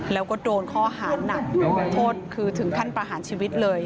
แล้วก็โดนข้อหาหนักโทษคือถึงขั้นประหารชีวิตเลย